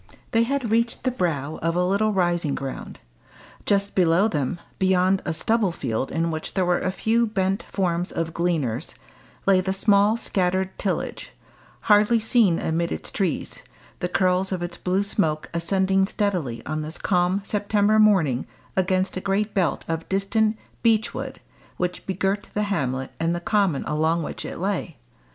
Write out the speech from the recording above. They had reached the brow of a little rising ground. Just below them, beyond a stubble field in which there were a few bent forms of gleaners, lay the small scattered Tillage, hardly seen amid its trees, the curls of its blue smoke ascending steadily on this calm September morning against a great belt of distant beechwood which begirt the hamlet and the common along which it lay.